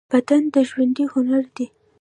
بدن د ژوندۍ هنر دی.